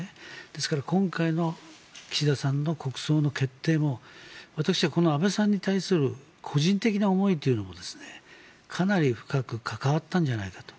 ですから今回の岸田さんの国葬の決定も私は安倍さんに対する個人的な思いというのもかなり深く関わったんじゃないかと。